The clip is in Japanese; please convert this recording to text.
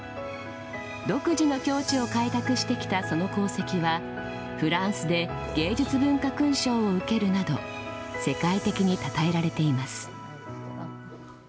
独自の境地を開拓してきたその功績は、フランスで芸術文化勲章を受けるなど、世界的にたたえられています。